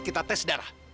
kita tes darah